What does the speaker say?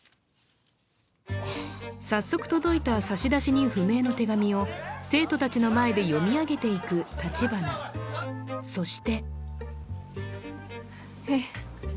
早速届いた差出人不明の手紙を生徒達の前で読み上げていく立花そしてえ